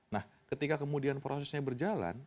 nah ketika kemudian prosesnya berjalan